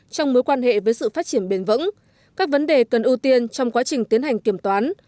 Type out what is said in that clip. trong mối quan hệ với sự phát triển bền vững các vấn đề cần ưu tiên trong quá trình tiến hành kiểm toán